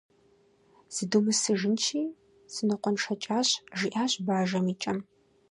- Зыдумысыжынщи, сынокъуэншэкӏащ, - жиӏащ бажэм и кӏэм.